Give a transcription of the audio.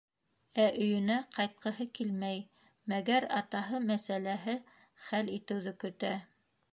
Ә өйөнә ҡайтҡыһы килмәй, мәгәр атаһы мәсьәләһе хәл итеүҙе көтә.